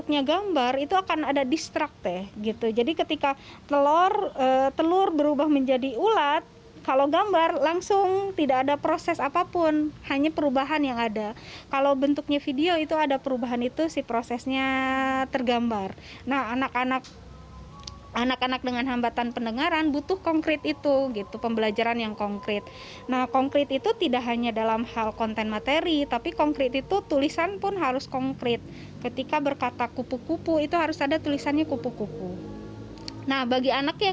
ya dalam hero semangat special kepernikan